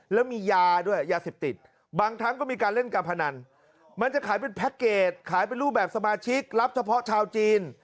แล้วมียาด้วยยาเสพติดบางครั้งก็มีการเล่นการพนันมันจะขายเป็นแพ็คเกจขายเป็นรูปแบบสมาชิกรับเฉพาะชาวจีน